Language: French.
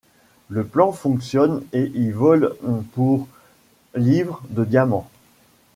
Le plan fonctionne et ils volent pour £ de diamants.